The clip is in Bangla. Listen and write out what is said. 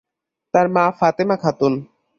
তার মা ফাতেমা খাতুন।